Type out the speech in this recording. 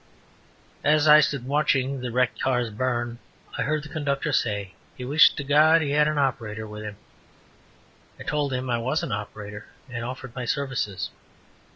As I stood watching the wrecked cars burn, I heard the conductor say, "he wished to God he had an operator with him." I told him I was an operator and offered my services.